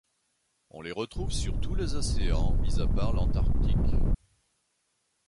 On les retrouve sur tous les océans, mis à part l'Antarctique.